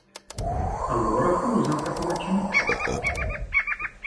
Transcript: Allora fu usata come cimitero.